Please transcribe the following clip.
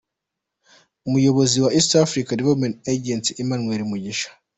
Umuyobozi wa East African Development Agency, Emmanuel Mugisha.